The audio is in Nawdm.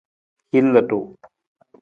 Hin ludu.